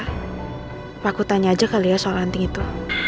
apa aku tanya aja kali ya soal anting itu